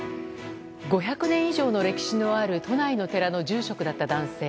５００年以上の歴史のある都内の寺の住職だった男性。